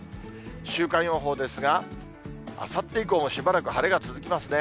週間予報ですが、あさって以降もしばらく晴れが続きますね。